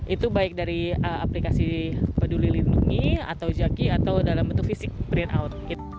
itu baik dari aplikasi peduli lindungi atau jaki atau dalam bentuk fisik print out